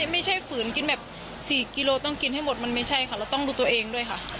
ฝืนกินแบบ๔กิโลต้องกินให้หมดมันไม่ใช่ค่ะเราต้องดูตัวเองด้วยค่ะ